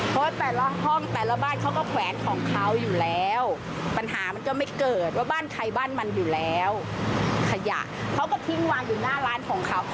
เพราะแต่ละห้องแต่ละบ้านเขาก็แขวนของเขาอยู่แล้วปัญหามันก็ไม่เกิดว่าบ้านใครบ้านมันอยู่แล้วขยะเขาก็ทิ้งวางอยู่หน้าร้านของเขา